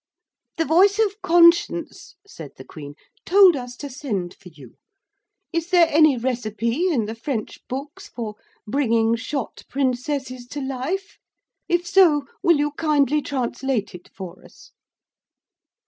'The voice of conscience,' said the Queen, 'told us to send for you. Is there any recipe in the French books for bringing shot princesses to life? If so, will you kindly translate it for us?'